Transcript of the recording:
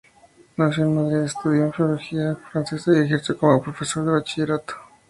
Nacido en Madrid, estudió Filología Francesa y ejerció como profesor de bachillerato.